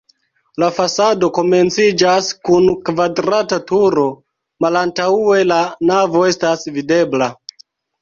La fasado komenciĝas kun kvadrata turo, malantaŭe la navo estas videbla.